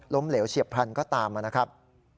ล้มเหลวเฉียบพันธุ์ก็ตามมานะครับ